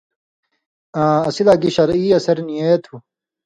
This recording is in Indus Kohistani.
آں اسی لا گی شرعی اثر نی اے تُھو۔